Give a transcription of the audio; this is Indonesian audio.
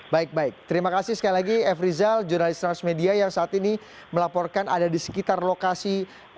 baik baik terima kasih sekali lagi f rizal jurnalis transmedia yang saat ini melaporkan ada di sekitar lokasi